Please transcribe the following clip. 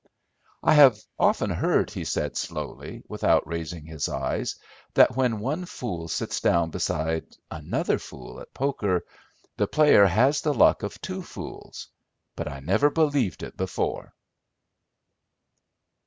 "I have often heard," he said slowly without raising his eyes, "that when one fool sits down beside another fool at poker, the player has the luck of two fools—but I never believed it before."